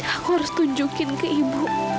aku harus tunjukin ke ibu